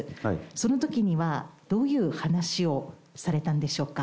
そのときには、どういう話をされたんでしょうか？